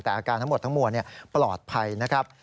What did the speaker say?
แต่อาการทั้งหมดทั้งมวลปลอดภัยนะครับ